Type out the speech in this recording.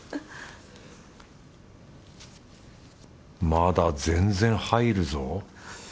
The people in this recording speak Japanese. まだ全然入るぞ